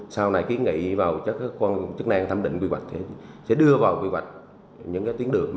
sau này ký nghị vào chức năng thẩm định quy hoạch thì sẽ đưa vào quy hoạch những cái tuyến đường